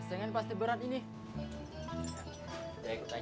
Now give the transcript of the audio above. setelah lo aturin waktu kan